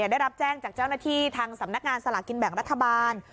ได้รับแจ้งจากเจ้าหน้าที่ทางสำนักงานสลากินแบ่งรัฐบาล